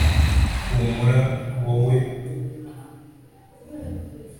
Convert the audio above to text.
humura, wowe?